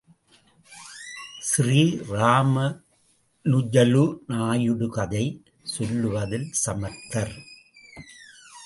ஸ்ரீராமாநுஜலு நாயுடு கதை செல்லுவதில் சமர்த்தர்.